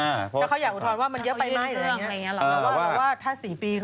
หรือว่าถ้า๔ปีไม่น่าจะอุทธรณ์